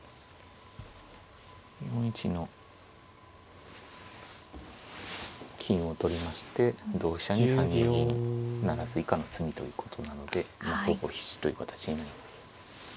４一の金を取りまして同飛車に３二銀不成以下の詰みということなのでまあほぼ必至という形になります。